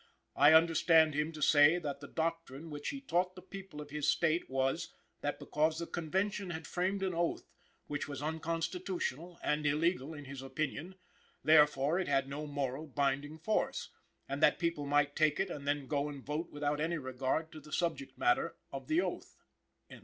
"I understand him to say that the doctrine which he taught the people of his state was, that because the Convention had framed an oath, which was unconstitutional and illegal in his opinion, therefore it had no moral binding force, and that people might take it and then go and vote without any regard to the subject matter, of the oath."